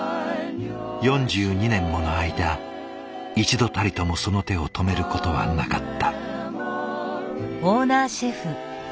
４２年もの間一度たりともその手を止めることはなかった。